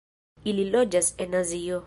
Ili loĝas en Azio.